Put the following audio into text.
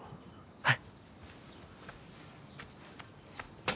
はい。